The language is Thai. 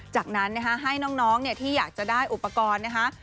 จากนั้นนะคะให้น้องที่อยากจะได้อุปกรณ์นะคะ